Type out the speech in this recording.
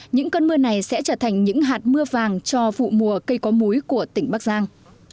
những cơn mưa này sẽ trở thành những hạt mưa vàng cho vụ mùa cây có múi của tỉnh bắc giang